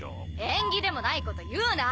縁起でもないこと言うな！